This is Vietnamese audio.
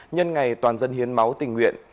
nhân ngày toàn dân hiến máu tình nguyện